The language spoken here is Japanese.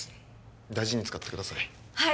大事に使ってください